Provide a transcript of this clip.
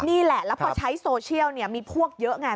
นี่แหละแล้วพอใช้โซเชียลมีพวกเยอะไง